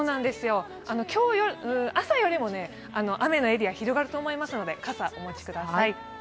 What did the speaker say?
朝よりも雨のエリア、広がると思いますので傘、お持ちください。